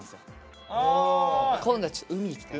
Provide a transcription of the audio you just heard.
今度はちょっと海行きたい。